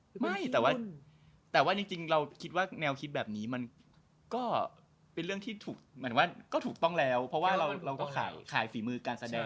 เพราะว่าเราก็ขายฝีมือการแสดง